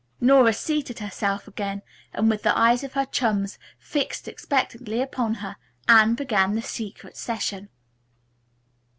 Nora seated herself again and with the eyes of her chums fixed expectantly upon her, Anne began the secret session.